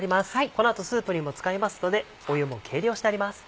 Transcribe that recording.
この後スープにも使いますので湯も計量してあります。